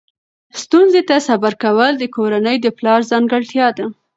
ستونزو ته صبر کول د کورنۍ د پلار ځانګړتیا ده.